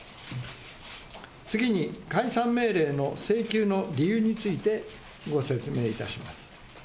次に解散命令の請求の理由についてご説明いたします。